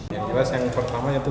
yang jelas yang pertama itu